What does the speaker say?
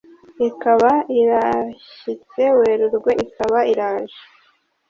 ikaba irashyitse Werurwe ikaba iraje